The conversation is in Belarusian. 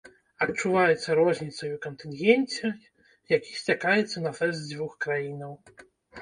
Адчуваецца розніцца і ў кантынгенце, які сцякаецца на фэст з дзвюх краінаў.